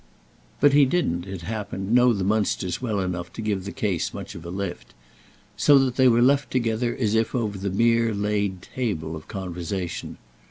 But he didn't, it happened, know the Munsters well enough to give the case much of a lift; so that they were left together as if over the mere laid table of conversation.